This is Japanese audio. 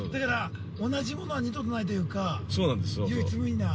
同じものは二度とないというか唯一無二な。